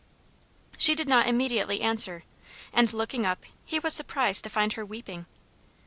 She did not immediately answer; and looking up, he was surprised to find her weeping.